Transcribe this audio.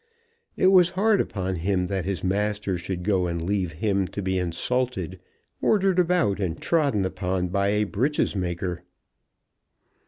It was hard upon him that his master should go and leave him to be insulted, ordered about, and trodden upon by a breeches maker.